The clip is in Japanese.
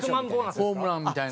ホームランみたいな。